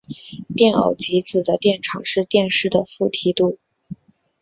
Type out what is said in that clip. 电偶极子的电场是电势的负梯度。